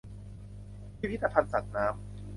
พิพิธภัณฑ์สัตว์น้ำ